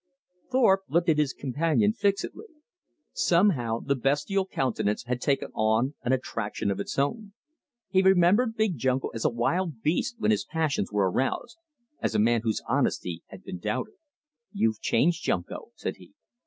Thorpe looked at his companion fixedly. Somehow the bestial countenance had taken on an attraction of its own. He remembered Big Junko as a wild beast when his passions were aroused, as a man whose honesty had been doubted. "You've changed, Junko," said he.